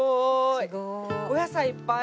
すごい！お野菜いっぱい！